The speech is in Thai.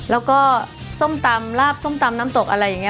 แล้วก็ส้มตำลาบส้มตำน้ำตกอะไรอย่างนี้